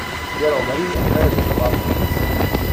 He had already inherited Broadlands.